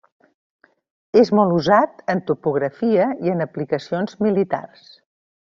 És molt usat en topografia i en aplicacions militars.